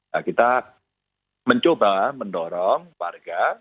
nah kita mencoba mendorong warga